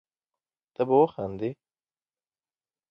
ته به وخاندي